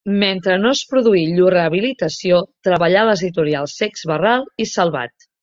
Mentre no es produí llur rehabilitació treballà a les editorials Seix Barral i Salvat.